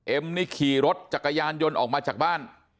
นี่ขี่รถจักรยานยนต์ออกมาจากบ้าน